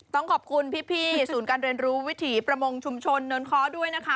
ต้องขอบคุณพี่ศูนย์การเรียนรู้วิถีประมงชุมชนเนินค้อด้วยนะคะ